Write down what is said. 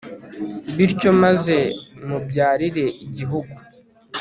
bityo maze mubyarire igihugu